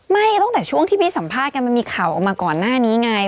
ตั้งแต่ช่วงที่พี่สัมภาษณ์กันมันมีข่าวออกมาก่อนหน้านี้ไง